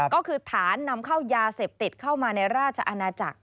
ก็คือฐานนำเข้ายาเสพติดเข้ามาในราชอาณาจักร